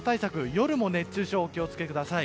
夜も熱中症にお気を付けください。